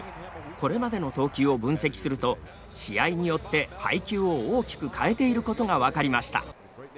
これまでの投球を分析すると試合によって配球を大きく変えている事が分かりました。